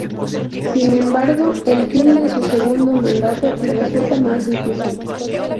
Sin embargo el fin de su segundo mandato resulta más difícil.